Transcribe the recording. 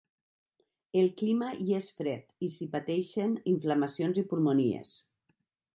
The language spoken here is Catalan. El clima hi és fred, i s'hi pateixen inflamacions i pulmonies.